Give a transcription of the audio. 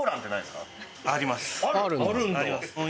あります。